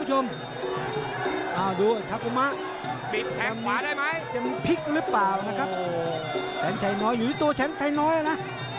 ใช่อยู่ที่แสนชายน้อยอย่างเดียวเลย